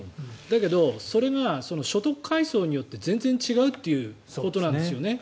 だけど、それが所得階層によって全然違うということなんですよね。